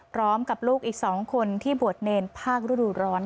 พร้อมกับลูกอีกสองคนที่บวชเนรภาครุดร้อน